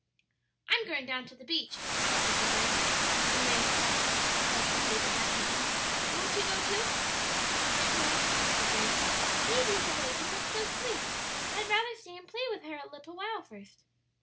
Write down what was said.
"I'm going down to the beach," she said to Grace, when they had left the table that evening; "won't you go too?" "Not yet," said Grace; "baby is awake, and looks so sweet that I'd rather stay and play with her a little while first."